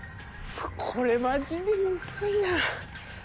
これマジでムズいやん。